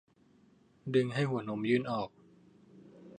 ดึงให้หัวนมยื่นออก